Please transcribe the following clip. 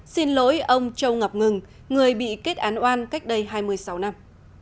xin lỗi ông châu ngọc ngừng người bị kết án oan cách đây hai mươi sáu năm